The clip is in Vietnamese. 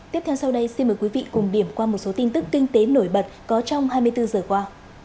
tiếp theo sau đây xin mời quý vị cùng điểm qua một số tin tức kinh tế nổi bật có trong hai mươi bốn giờ qua